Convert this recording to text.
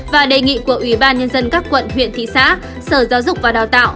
và đề nghị của ủy ban nhân dân các quận huyện thị xã sở giáo dục và đào tạo